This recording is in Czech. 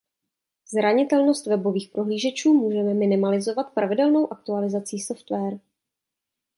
Zranitelnost webových prohlížečů můžeme minimalizovat pravidelnou aktualizací software.